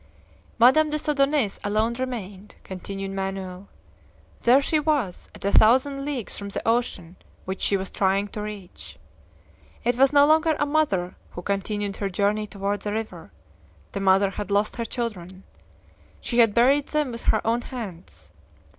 "Madame des Odonais alone remained," continued Manoel. "There she was, at a thousand leagues from the ocean which she was trying to reach! It was no longer a mother who continued her journey toward the river the mother had lost her children; she had buried them with her own hands!